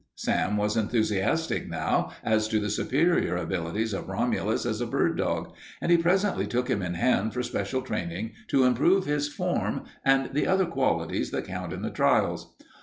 Sam was enthusiastic now as to the superior abilities of Romulus as a bird dog, and he presently took him in hand for special training to improve his form and the other qualities that count in the trials.